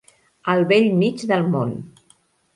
Al bell mig del món.